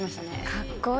かっこいい。